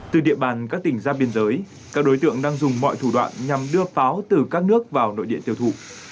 từ địa bàn các tỉnh ra biên giới các đối tượng đang dùng mọi thủ đoạn nhằm đưa pháo từ các nước vào nội địa tiêu thụ